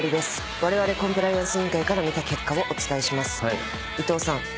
われわれコンプライアンス委員会から見た結果をお伝えします。